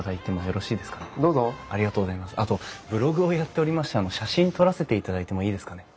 あとブログをやっておりまして写真撮らせていただいてもいいですかね？